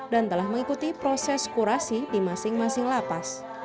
dan telah mengikuti proses kurasi di masing masing lapas